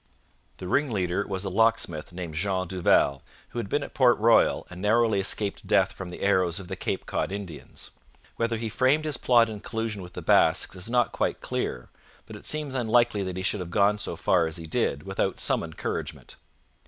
The ringleader was a locksmith named Jean Duval, who had been at Port Royal and narrowly escaped death from the arrows of the Cape Cod Indians. Whether he framed his plot in collusion with the Basques is not quite clear, but it seems unlikely that he should have gone so far as he did without some encouragement.